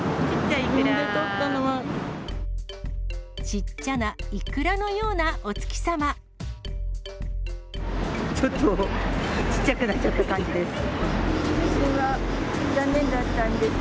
小っちゃなイクラのようなおちょっとちっちゃくなっちゃった感じです。